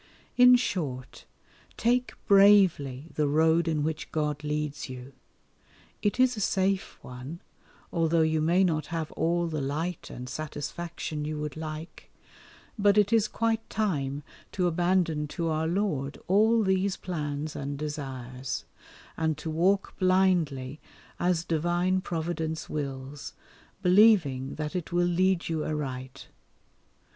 In short take bravely the road in which God leads you it is a safe one, although you may not have all the light and satisfaction you would like; but it is quite time to abandon to Our Lord all these plans and desires, and to walk blindly, as divine Providence wills, believing that it will lead you aright.